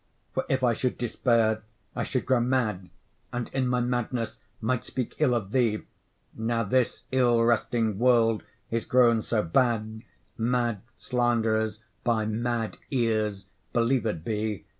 For, if I should despair, I should grow mad, And in my madness might speak ill of thee; Now this ill wresting world is grown so bad, Mad slanderers by mad ears believed be.